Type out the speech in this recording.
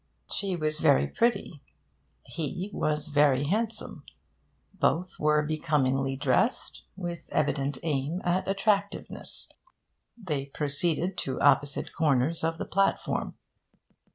She was very pretty; he was very handsome; both were becomingly dressed, with evident aim at attractiveness. They proceeded to opposite corners of the platform.